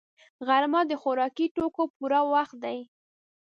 غرمه د خوراکي توکو پوره وخت دی